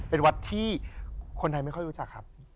เป็นวัดที่คนไทยไม่ค่อยรู้จักครับ